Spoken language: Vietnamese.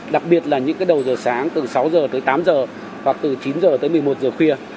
đặc biệt là những cái đầu giờ sáng từ sáu giờ tới tám giờ hoặc từ chín giờ tới một mươi một giờ khuya